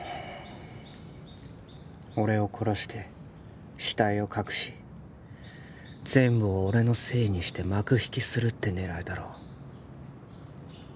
俺を殺して死体を隠し全部を俺のせいにして幕引きするって狙いだろう